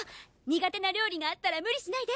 苦手な料理があったら無理しないで。